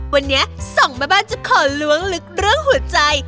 วันนี้สองแม่บ้านจะขอล้วงลึกเรื่องหัวใจ